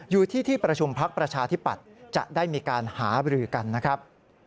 อยู่ที่ที่ประชุมพักประชาธิปัตย์จะได้มีการหาบรือกันนะครับ